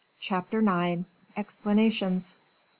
Chapter IX. Explanations.